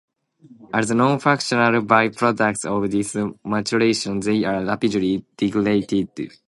As non-functional by-products of this maturation, they are rapidly degraded.